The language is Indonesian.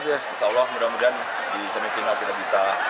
insya allah mudah mudahan di semifinal kita bisa